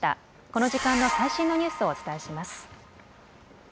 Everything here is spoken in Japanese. この時間の最新のニュースをお伝えします。